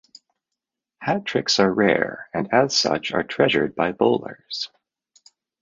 Hat-tricks are rare, and as such are treasured by bowlers.